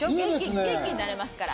元気になれますから。